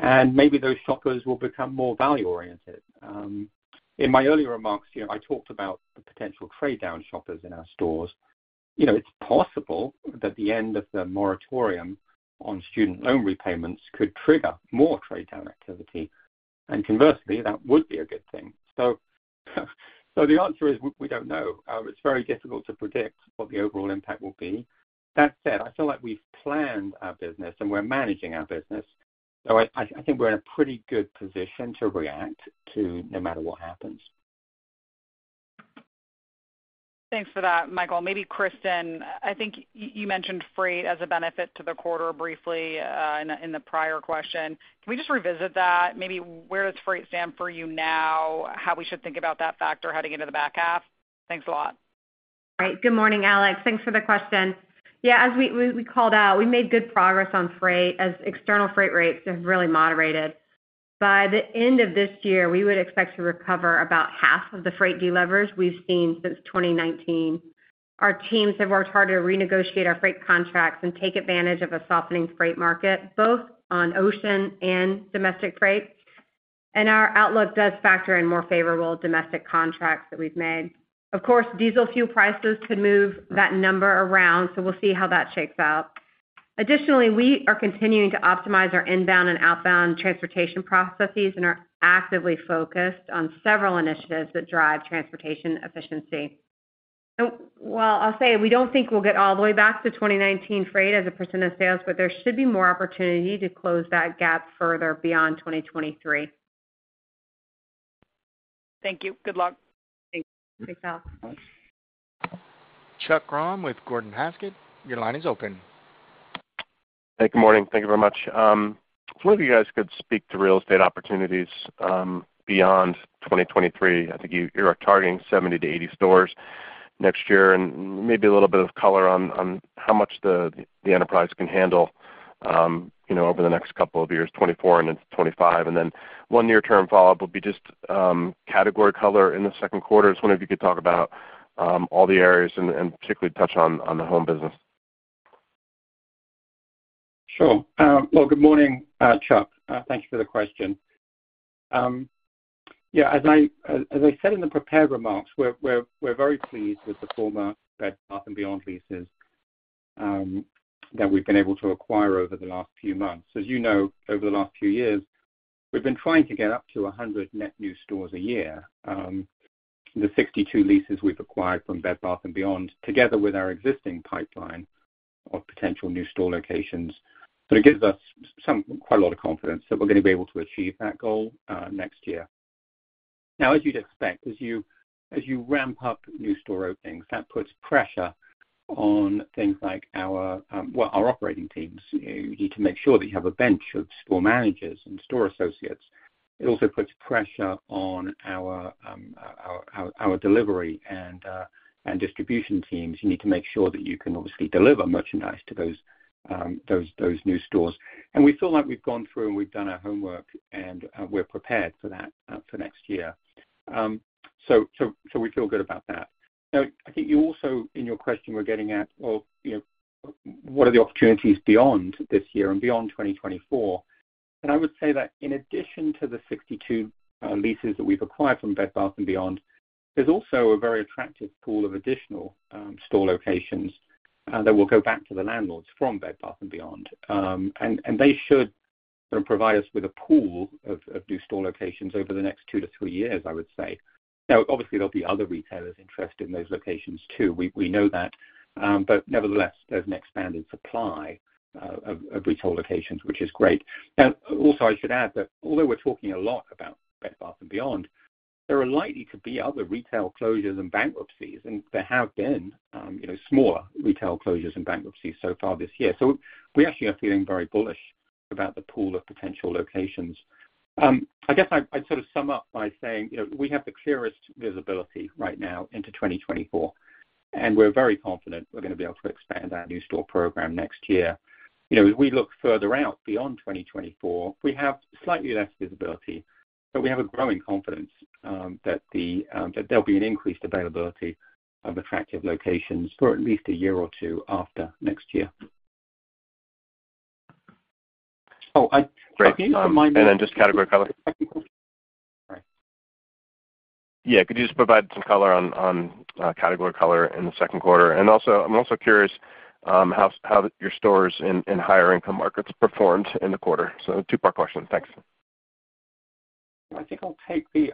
C: and maybe those shoppers will become more value-oriented. In my earlier remarks, you know, I talked about the potential trade-down shoppers in our stores. You know, it's possible that the end of the moratorium on student loan repayments could trigger more trade-down activity, and conversely, that would be a good thing. So the answer is, we don't know. It's very difficult to predict what the overall impact will be. That said, I feel like we've planned our business and we're managing our business. So I think we're in a pretty good position to react to no matter what happens.
J: Thanks for that, Michael. Maybe Kristin, I think you mentioned freight as a benefit to the quarter briefly, in the prior question. Can we just revisit that? Maybe where does freight stand for you now, how we should think about that factor heading into the back half? Thanks a lot.
D: Right. Good morning, Alex. Thanks for the question. Yeah, as we called out, we made good progress on freight as external freight rates have really moderated. By the end of this year, we would expect to recover about half of the freight delevers we've seen since 2019. Our teams have worked hard to renegotiate our freight contracts and take advantage of a softening freight market, both on ocean and domestic freight. And our outlook does factor in more favorable domestic contracts that we've made. Of course, diesel fuel prices could move that number around, so we'll see how that shakes out. Additionally, we are continuing to optimize our inbound and outbound transportation processes and are actively focused on several initiatives that drive transportation efficiency. While I'll say we don't think we'll get all the way back to 2019 freight as a % of sales, but there should be more opportunity to close that gap further beyond 2023.
J: Thank you. Good luck.
D: Thanks. Thanks, Alex.
A: Chuck Grom with Gordon Haskett, your line is open.
I: Hey, good morning. Thank you very much. If one of you guys could speak to real estate opportunities beyond 2023. I think you, you are targeting 70-80 stores next year, and maybe a little bit of color on, on how much the, the enterprise can handle, you know, over the next couple of years, 2024 and into 2025. And then one near-term follow-up would be just, category color in the second quarter. So wonder if you could talk about, all the areas and, and particularly touch on, on the home business.
C: Sure. Well, good morning, Chuck. Thank you for the question. Yeah, as I said in the prepared remarks, we're very pleased with the former Bed Bath & Beyond leases that we've been able to acquire over the last few months. As you know, over the last few years, we've been trying to get up to 100 net new stores a year. The 62 leases we've acquired from Bed Bath & Beyond, together with our existing pipeline of potential new store locations. So it gives us some... quite a lot of confidence that we're going to be able to achieve that goal next year. Now, as you'd expect, as you ramp up new store openings, that puts pressure on things like our, well, our operating teams. You need to make sure that you have a bench of store managers and store associates. It also puts pressure on our delivery and distribution teams. You need to make sure that you can obviously deliver merchandise to those new stores. And we feel like we've gone through and we've done our homework, and, we're prepared for that, for next year. So we feel good about that. Now, I think you also, in your question, we're getting at, well, you know, what are the opportunities beyond this year and beyond 2024?... and I would say that in addition to the 62 leases that we've acquired from Bed Bath & Beyond, there's also a very attractive pool of additional store locations that will go back to the landlords from Bed Bath & Beyond. And they should sort of provide us with a pool of new store locations over the next two to three years, I would say. Now, obviously, there'll be other retailers interested in those locations too. We know that, but nevertheless, there's an expanded supply of retail locations, which is great. Now, also, I should add that although we're talking a lot about Bed Bath & Beyond, there are likely to be other retail closures and bankruptcies, and there have been, you know, smaller retail closures and bankruptcies so far this year. So we actually are feeling very bullish about the pool of potential locations. I guess I'd, I'd sort of sum up by saying, you know, we have the clearest visibility right now into 2024, and we're very confident we're gonna be able to expand our new store program next year. You know, as we look further out beyond 2024, we have slightly less visibility, but we have a growing confidence that there'll be an increased availability of attractive locations for at least a year or two after next year. Oh, I- sorry, on my mind-
I: And then just category color. Sorry. Yeah, could you just provide some color on category color in the second quarter? And also, I'm also curious how your stores in higher income markets performed in the quarter. So two-part question. Thanks.
C: I think I'll take the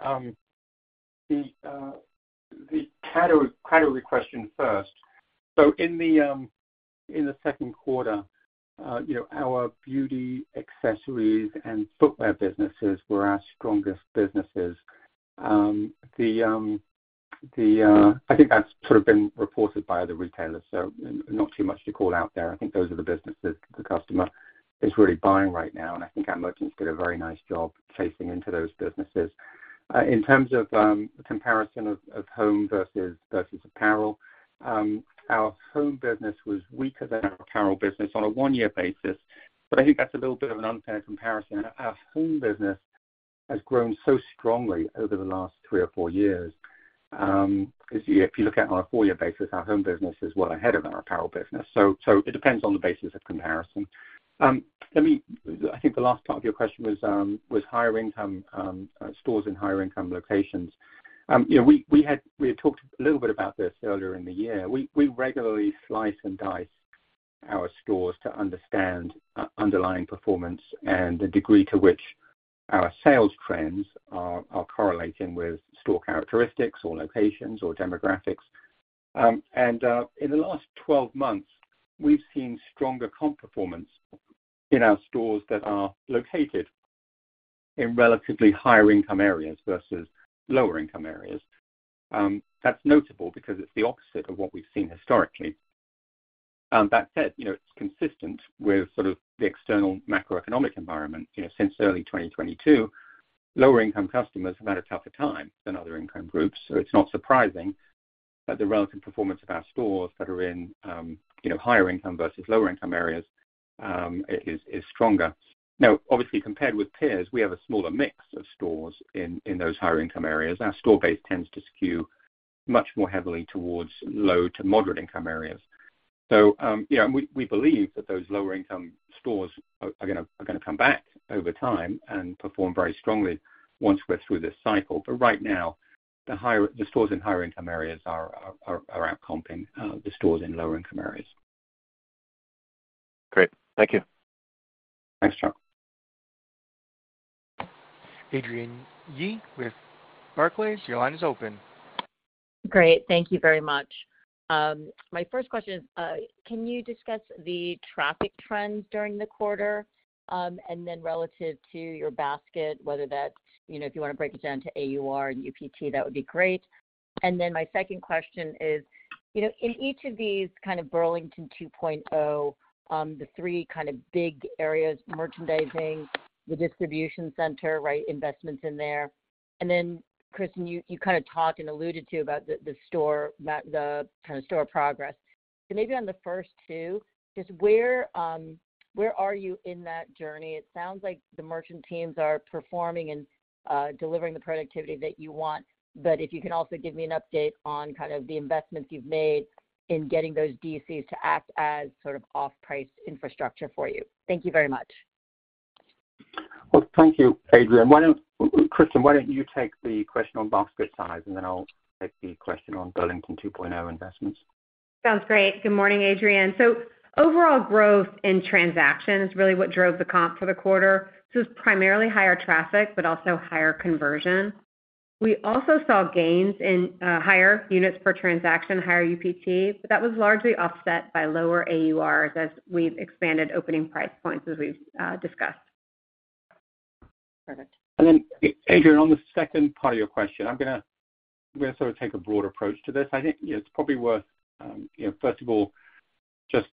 C: category question first. So in the second quarter, you know, our beauty, accessories, and footwear businesses were our strongest businesses. I think that's sort of been reported by other retailers, so not too much to call out there. I think those are the businesses the customer is really buying right now, and I think our merchants did a very nice job chasing into those businesses. In terms of comparison of home versus apparel, our home business was weaker than our apparel business on a one-year basis, but I think that's a little bit of an unfair comparison. Our home business has grown so strongly over the last three or four years. If you look at it on a four-year basis, our home business is well ahead of our apparel business. So it depends on the basis of comparison. Let me... I think the last part of your question was higher income stores in higher income locations. You know, we had talked a little bit about this earlier in the year. We regularly slice and dice our stores to understand underlying performance and the degree to which our sales trends are correlating with store characteristics or locations or demographics. And in the last 12 months, we've seen stronger comp performance in our stores that are located in relatively higher income areas versus lower income areas. That's notable because it's the opposite of what we've seen historically. That said, you know, it's consistent with sort of the external macroeconomic environment. You know, since early 2022, lower-income customers have had a tougher time than other income groups, so it's not surprising that the relative performance of our stores that are in, you know, higher income versus lower income areas, is stronger. Now, obviously, compared with peers, we have a smaller mix of stores in those higher income areas. Our store base tends to skew much more heavily towards low to moderate income areas. So, yeah, we believe that those lower income stores are gonna come back over time and perform very strongly once we're through this cycle. But right now, the stores in higher income areas are outcomping the stores in lower income areas.
I: Great. Thank you.
C: Thanks, John.
A: Adrienne Yih with Barclays, your line is open.
K: Great. Thank you very much. My first question is, can you discuss the traffic trends during the quarter? And then relative to your basket, whether that's, you know, if you wanna break it down to AUR and UPT, that would be great. And then my second question is, you know, in each of these kind of Burlington 2.0, the three kind of big areas, merchandising, the distribution center, right, investments in there. And then, Kristin, you kind of talked and alluded to about the, the store, the kind of store progress. So maybe on the first two, just where, where are you in that journey? It sounds like the merchant teams are performing and delivering the productivity that you want, but if you can also give me an update on kind of the investments you've made in getting those DCs to act as sort of off-price infrastructure for you. Thank you very much.
C: Well, thank you, Adrienne. Why don't... Kristin, why don't you take the question on basket size, and then I'll take the question on Burlington 2.0 investments.
D: Sounds great. Good morning, Adrienne. So overall growth in transaction is really what drove the comp for the quarter. So it's primarily higher traffic, but also higher conversion. We also saw gains in higher units per transaction, higher UPT, but that was largely offset by lower AUR as we've expanded opening price points, as we've discussed.
K: Perfect.
C: And then, Adrienne, on the second part of your question, I'm gonna sort of take a broad approach to this. I think it's probably worth, you know, first of all, just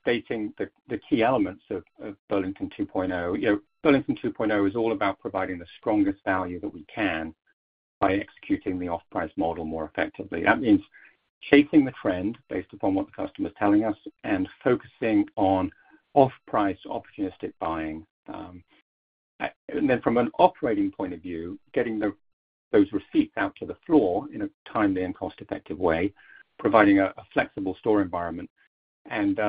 C: stating the key elements of Burlington 2.0. You know, Burlington 2.0 is all about providing the strongest value that we can by executing the off-price model more effectively. That means shaping the trend based upon what the customer is telling us and focusing on off-price, opportunistic buying. And then from an operating point of view, getting those receipts out to the floor in a timely and cost-effective way, providing a flexible store environment and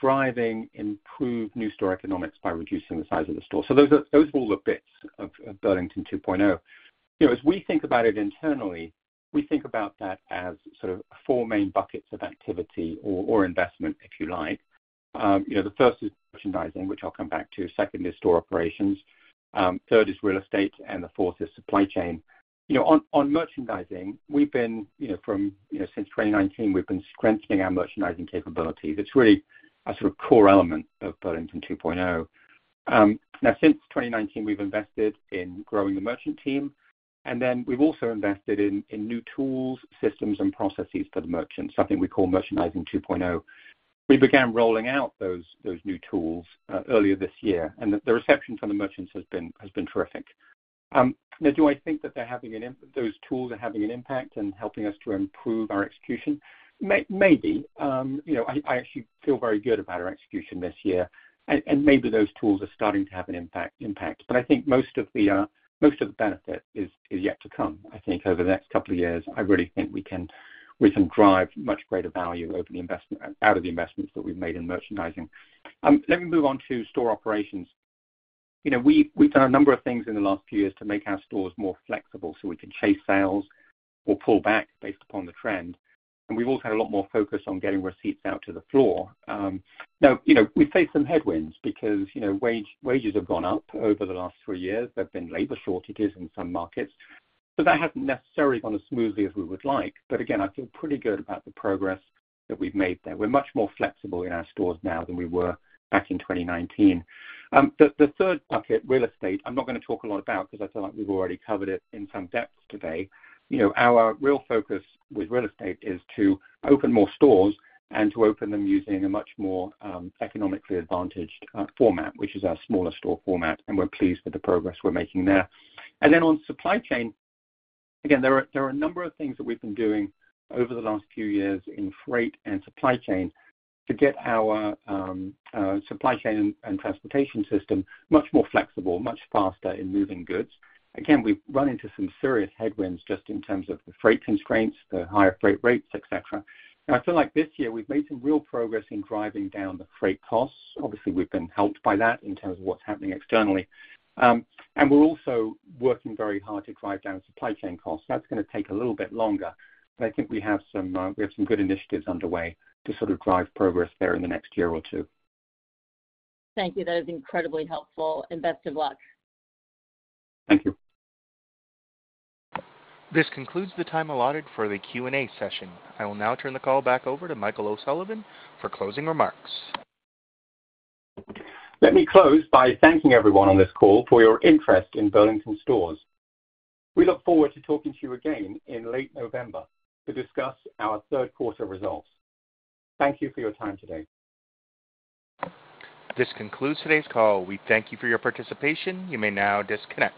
C: driving improved new store economics by reducing the size of the store. So those are all the bits of Burlington 2.0. You know, as we think about it internally, we think about that as sort of four main buckets of activity or investment, if you like. You know, the first is merchandising, which I'll come back to. Second is store operations. Third is real estate, and the fourth is supply chain. You know, on merchandising, we've been, you know, from, you know, since 2019, we've been strengthening our merchandising capabilities. It's really a sort of core element of Burlington 2.0. Now, since 2019, we've invested in growing the merchant team, and then we've also invested in new tools, systems, and processes for the merchants, something we call Merchandising 2.0. We began rolling out those new tools earlier this year, and the reception from the merchants has been terrific. Now, do I think that they're having an impact and helping us to improve our execution? Maybe. You know, I actually feel very good about our execution this year, and maybe those tools are starting to have an impact. But I think most of the benefit is yet to come. I think over the next couple of years, I really think we can drive much greater value out of the investments that we've made in merchandising. Let me move on to store operations. You know, we, we've done a number of things in the last few years to make our stores more flexible, so we can chase sales or pull back based upon the trend, and we've also had a lot more focus on getting receipts out to the floor. Now, you know, we faced some headwinds because, you know, wages have gone up over the last three years. There've been labor shortages in some markets, so that hasn't necessarily gone as smoothly as we would like. But again, I feel pretty good about the progress that we've made there. We're much more flexible in our stores now than we were back in 2019. The third bucket, real estate, I'm not gonna talk a lot about because I feel like we've already covered it in some depth today. You know, our real focus with real estate is to open more stores and to open them using a much more economically advantaged format, which is our smaller store format, and we're pleased with the progress we're making there. And then on supply chain, again, there are a number of things that we've been doing over the last few years in freight and supply chain to get our supply chain and transportation system much more flexible, much faster in moving goods. Again, we've run into some serious headwinds just in terms of the freight constraints, the higher freight rates, et cetera. And I feel like this year we've made some real progress in driving down the freight costs. Obviously, we've been helped by that in terms of what's happening externally. And we're also working very hard to drive down supply chain costs. That's gonna take a little bit longer, but I think we have some, we have some good initiatives underway to sort of drive progress there in the next year or two.
K: Thank you. That is incredibly helpful, and best of luck.
C: Thank you.
A: This concludes the time allotted for the Q&A session. I will now turn the call back over to Michael O'Sullivan for closing remarks.
C: Let me close by thanking everyone on this call for your interest in Burlington Stores. We look forward to talking to you again in late November to discuss our third quarter results. Thank you for your time today.
A: This concludes today's call. We thank you for your participation. You may now disconnect.